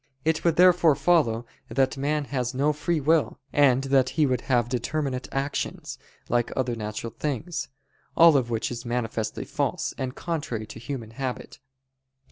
It would therefore follow that man has no free will, and that he would have determinate actions, like other natural things. All of which is manifestly false, and contrary to human habit.